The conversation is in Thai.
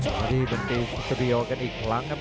มาที่บรรทีสุดสะเบียวกันอีกครั้งครับ